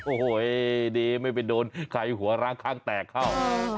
โอ้โหดีไม่ไปโดนใครหัวร้างข้างแตกเข้า